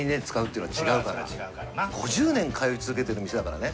５０年通い続けてる店だからね。